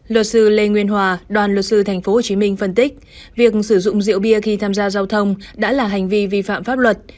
luật sư lê nguyên hòa đoàn luật sư tp hcm phân tích việc sử dụng rượu bia khi tham gia giao thông đã là hành vi vi phạm pháp luật